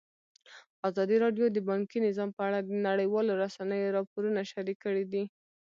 ازادي راډیو د بانکي نظام په اړه د نړیوالو رسنیو راپورونه شریک کړي.